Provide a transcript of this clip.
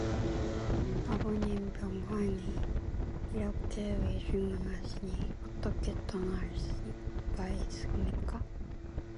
아버님 병환이 이렇게 위중하시니 어떻게 떠날 수가 있습니까?